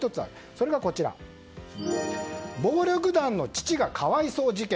それが、暴力団の父が可哀想事件。